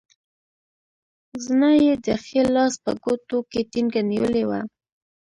زنه یې د ښي لاس په ګوتو کې ټینګه نیولې وه.